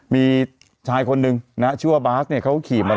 มีชายคนหนึ่งชื่อ